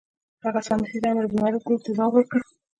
هغه سمدستي د امر بالمعروف ګروپ ته ځواب ورکړ.